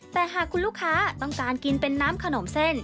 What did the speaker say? แต่หากคุณลูกค้าต้องการกินเป็นน้ำขนมเส้น